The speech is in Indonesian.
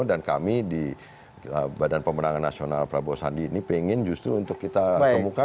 dan kami di badan pemenangan nasional prabowo sandi ini pengen justru untuk kita kemukakan